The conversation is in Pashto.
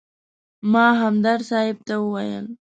ما همدرد صاحب ته وویل.